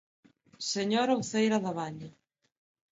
Señora Uceira Dabaña.